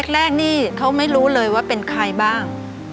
แรกนี่เขาไม่รู้เลยว่าเป็นใครบ้าง